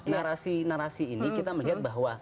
narasi narasi ini kita melihat bahwa